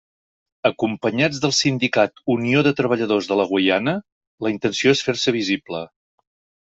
Acompanyats del sindicat Unió de Treballadors de la Guaiana, la intenció és fer-se visible.